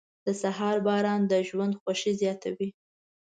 • د سهار باران د ژوند خوښي زیاتوي.